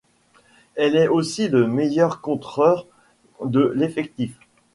Elle est aussi le meilleur contreur de l'effectif.